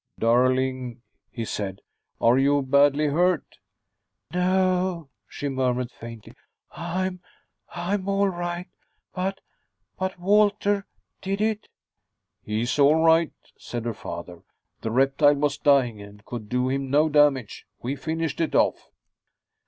"Darling," he said, "are you badly hurt?" "No," she murmured faintly. "I'm I'm all right. But but Walter did it " "He's all right," said her father. "The reptile was dying, and could do him no damage. We finished it off."